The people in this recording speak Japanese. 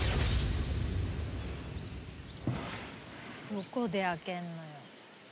どこで開けんのよ？